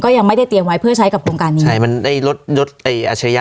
ยังไม่ได้เตรียมไว้เพื่อใช้กับโครงการนี้ใช่มันไอ้รถยดไอ้อัชริยะ